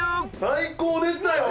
最高でしたよ。